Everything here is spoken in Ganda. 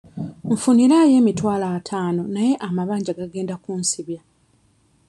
Nfuniraayo emitwalo ataano naye amabanja gagenda kunsibya.